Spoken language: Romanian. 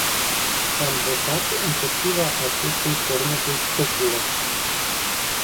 Am votat împotriva acestei forme de speculă.